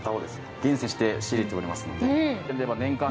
厳選して仕入れておりますので。